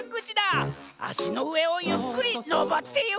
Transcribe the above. あしのうえをゆっくりのぼってゆけ！